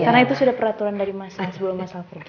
karena itu sudah peraturan dari masa sebelum masalah pergi